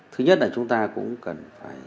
thứ nhất là chúng ta cũng cần phải